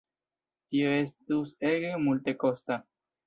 Tio estus ege multekosta.